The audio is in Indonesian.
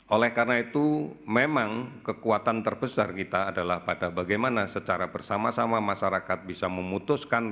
oleh karena itu memang kekuatan terbesar kita adalah pada bagaimana secara bersama sama masyarakat bisa memutuskan